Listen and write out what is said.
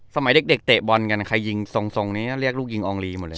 สมัยเด็กเตะบอลกันใครยิงทรงนี้ก็เรียกลูกยิงอองลีหมดเลย